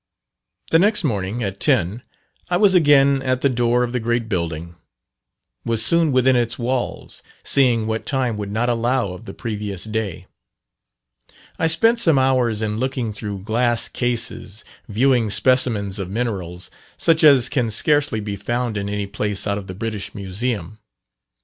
The next morning at ten, I was again at the door of the great building; was soon within its walls seeing what time would not allow of the previous day. I spent some hours in looking through glass cases, viewing specimens of minerals, such as can scarcely be found in any place out of the British Museum.